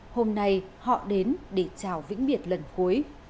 hôm nay họ đến để chào vĩnh biệt lần cuối